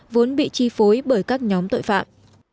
vốn bị chi phối bởi các nhóm tội phạm